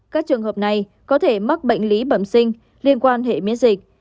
các trường hợp này có thể mắc bệnh lý bẩm sinh liên quan hệ miễn dịch